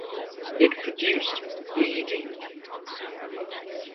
It produced beedi.